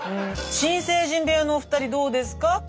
新成人部屋のお二人どうですか？